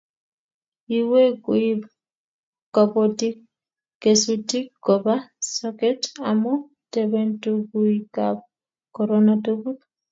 iywei kuib kabotik kesutik koba soket amu teben tunguikab korona tuguk